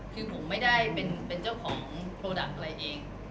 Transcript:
คือผมไม่ได้เป็นเจ้าของโปรดักต์อะไรเอง